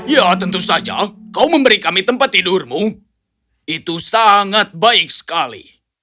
ya tentu saja kau memberi kami tempat tidurmu itu sangat baik sekali